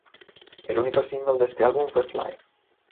El único single de este álbum fue "Fly".